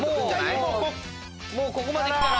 ここまできたら。